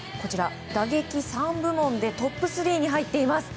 打撃３部門でトップ３に入っています。